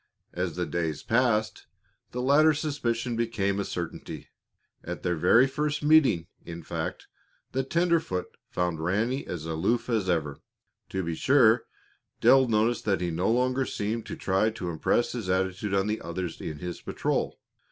As the days passed, the latter suspicion became a certainty. At their very first meeting, in fact, the tenderfoot found Ranny as aloof as ever. To be sure, Dale noticed that he no longer seemed to try to impress his attitude on the others in his patrol.